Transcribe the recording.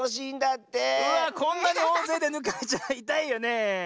こんなにおおぜいでぬかれちゃいたいよねえ。